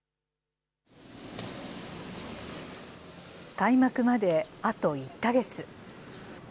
開幕まであと１か月。